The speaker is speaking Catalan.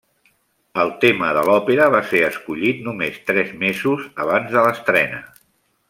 El tema de l'òpera va ser escollit només tres mesos abans de l'estrena.